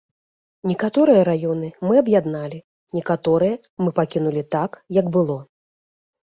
Некаторыя раёны мы аб'ядналі, некаторыя мы пакінулі так, як было.